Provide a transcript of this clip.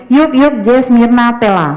yuk yuk jes mirna tela